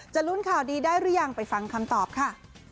ลุ้นข่าวดีได้หรือยังไปฟังคำตอบค่ะ